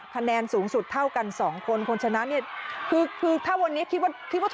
คะแนนสูงสุดเท่ากันสองคนคนชนะเนี่ย